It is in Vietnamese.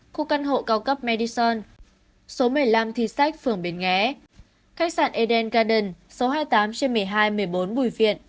khu căn hộ cao cấp medison số một mươi năm thi sách phường bến nghé khách sạn eden garden số hai mươi tám trên một mươi hai một mươi bốn bùi viện